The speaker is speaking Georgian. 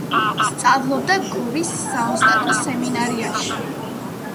სწავლობდა გორის საოსტატო სემინარიაში.